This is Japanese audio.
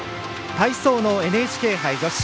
体操のＮＨＫ杯女子。